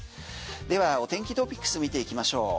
ではお天気トピックス見ていきましょう。